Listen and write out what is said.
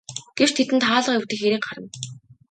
Гэвч тэдэнд хаалга эвдэх хэрэг гарна.